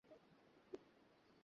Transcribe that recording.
হ্যাঁ, তার টয়লেটে যাওয়ার দরকার।